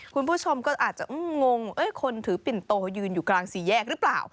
คุณผู้ชมก็อาจจะงงคนถือปิ่นโตยืนอยู่กลางสี่แยกหรือเปล่า